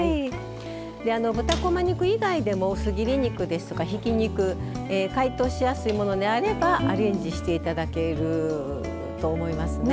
豚こま肉以外でも薄切り肉ですとかひき肉解凍しやすいものであればアレンジしていただけると思いますね。